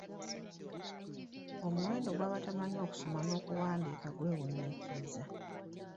Omuwendo gw'abatamanyi kusoma na kuwandiika gwewuniikiriza.